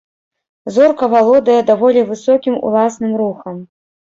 Зорка валодае даволі высокім уласным рухам.